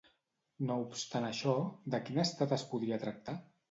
No obstant això, de quin estat es podria tractar?